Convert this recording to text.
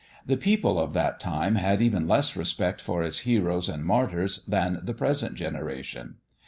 The people of that time had even less respect for its heroes and martyrs than the present generation.